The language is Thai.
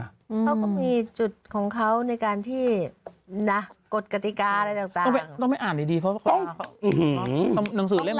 เขาก็มีจุดของเขาในการที่กดกติกาอะไรต่างต้องไปอ่านดีเพราะว่าเขาต้อง